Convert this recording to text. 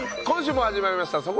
今週も始まりました